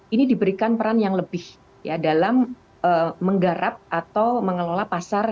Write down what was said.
ini diberikan peran yang lebih ya dalam menggarap atau mengelola pasar